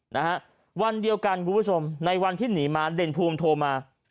นะฮะวันเดียวกันคุณผู้ชมในวันที่หนีมาเด่นภูมิโทรมา